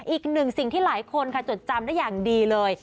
อีกหนึ่งสิ่งที่หลายคนค่ะจดจำได้อย่างดีเลย